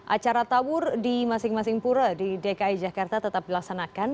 acara tawur di masing masing pura di dki jakarta tetap dilaksanakan